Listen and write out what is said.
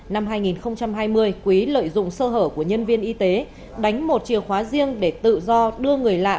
năm hai nghìn hai mươi quý lợi dụng sơ hở của nhân viên y tế đánh một chìa khóa riêng để tự do đưa người lạ